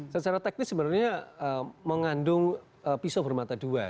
secara teknis sebenarnya mengandung pisau bermata dua